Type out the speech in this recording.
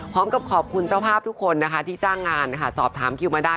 พร้อมกับขอบคุณเจ้าภาพทุกคนนะคะที่จ้างงานนะคะสอบถามคิวมาได้